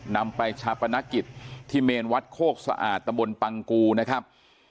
นำไปชาปนกิจที่เมนวัดโคกสะอาดตำบลปังกูนะครับ